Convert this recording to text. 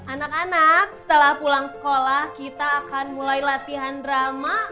anak anak setelah pulang sekolah kita akan mulai latihan drama